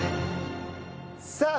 さあ